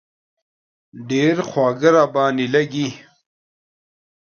ډېر خواږه را باندې لږي.